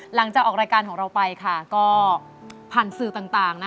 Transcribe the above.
หลังจากออกรายการของเราไปค่ะก็ผ่านสื่อต่างนะ